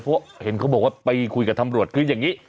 เพราะเห็นเขาบอกว่าไปคุยกับตำรวจคืออย่างนี้